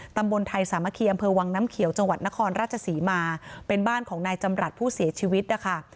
ตำบลไทยสามัคคีอำเภอวังน้ำเขียวจังหวัดนครราชศรีมาเป็นบ้านของนายจำรัฐผู้เสียชีวิตนะคะ